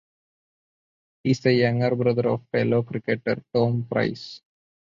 He is the younger brother of fellow cricketer Tom Price.